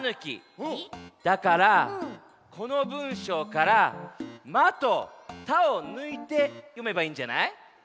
だからこのぶんしょうから「ま」と「た」をぬいてよめばいいんじゃない？